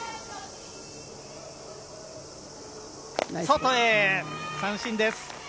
外へ、三振です。